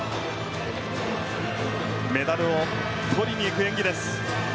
メダルをとりにいく演技です。